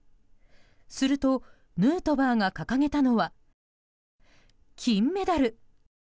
すると、ヌートバーが掲げたのは金メダル。